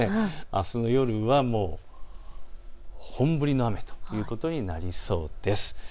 あすの夜は本降りの雨ということになりそうです。